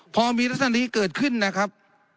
พอมีลักษณะนี้เกิดขึ้นนะครับ